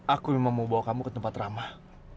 aku memang mau bawa kamu ke tempat ramah